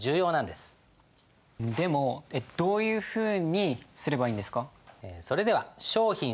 でもどういうふうにすればいいんですか？